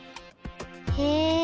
へえ！